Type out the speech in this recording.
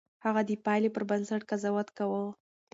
هغه د پايلې پر بنسټ قضاوت کاوه.